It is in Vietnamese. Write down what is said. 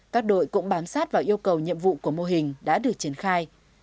các đội cũng bám sát vào yêu cầu nhiệm vụ của mô hình đã được triển khai